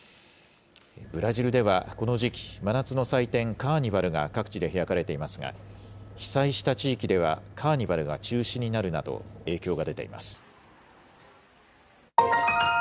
ブラジルではこの時期、真夏の祭典、カーニバルが各地で開かれていますが、被災した地域ではカーニバルが中止になるなど、影響が出ています。